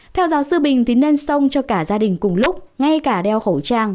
theo giáo sư bình thì nên xông cho cả gia đình cùng lúc ngay cả đeo khẩu trang